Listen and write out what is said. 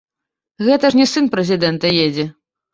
Гэта ж не сын прэзідэнта едзе.